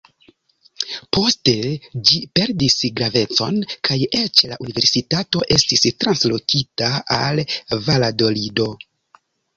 Poste ĝi perdis gravecon, kaj eĉ la universitato estis translokita al Valadolido.